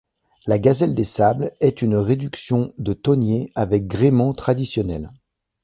La Gazelle des Sables est une réduction de thonier avec gréement traditionnel.